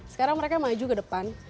sekarang mereka maju ke depan